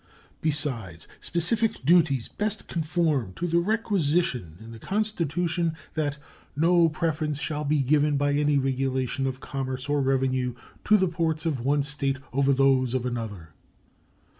Besides, specific duties best conform to the requisition in the Constitution that "no preference shall be given by any regulation of commerce or revenue to the ports of one State over those of another."